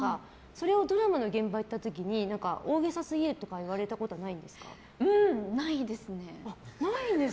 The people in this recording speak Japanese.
それをドラマの現場に行った時に大げさすぎるとかないですね。